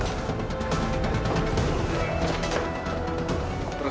saya mau ke rumah